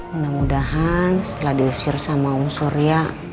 mudah mudahan setelah diusir sama om surya